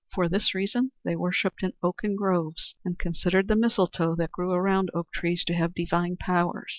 For this reason they worshipped in oaken groves, and considered the mistletoe that grew around oak trees to have divine powers.